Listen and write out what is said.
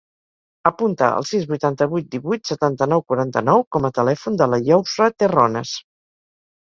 Apunta el sis, vuitanta-vuit, divuit, setanta-nou, quaranta-nou com a telèfon de la Yousra Terrones.